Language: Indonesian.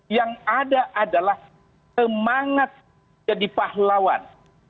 yang ada adalah semangat jadi pahlawan